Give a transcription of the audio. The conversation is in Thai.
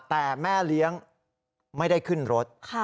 แต่แม่เลี้ยงไม่ได้ขึ้นรถ